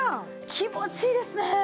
気持ちいいですね。